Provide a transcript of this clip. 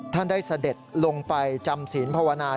ท่านได้เสด็จลงไปจำศีลภาวนา